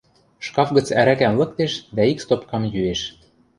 Шкаф гӹц ӓрӓкӓм лыктеш дӓ ик стопкам йӱэш.